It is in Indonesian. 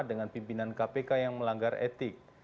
dengan pimpinan kpk yang melanggar etik